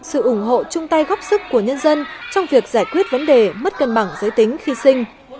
sự ủng hộ chung tay góp sức của nhân dân trong việc giải quyết vấn đề mất cân bằng giới tính khi sinh